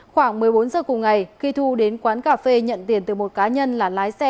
khoảng một mươi bốn giờ cùng ngày khi thu đến quán cà phê nhận tiền từ một cá nhân là lái xe